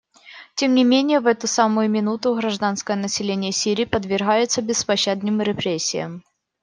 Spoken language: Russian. Тем не менее в эту самую минуту гражданское население Сирии подвергается беспощадным репрессиям.